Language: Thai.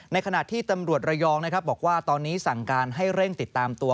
ขณะที่ตำรวจระยองนะครับบอกว่าตอนนี้สั่งการให้เร่งติดตามตัว